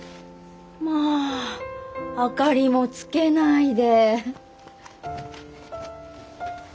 まあ明かりもつけないで。